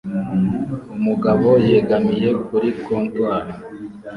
Umugabo yegamiye kuri comptoir